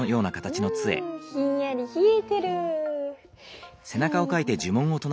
うんひんやりひえてる。